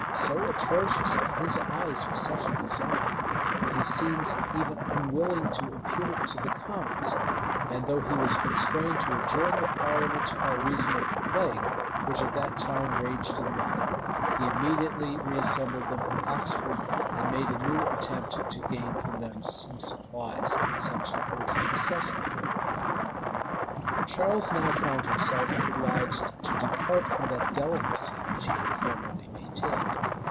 So atrocious in his eyes was such a design, that he seems even unwilling to impute it to the commons; and though he was constrained to adjourn the parliament by reason of the plague, which at that time raged in London, he immediately reassembled them at Oxford, and made a new attempt to gain from them some supplies in such an urgent necessity. Charles now found himself obliged to depart from that delicacy which he had formerly maintained.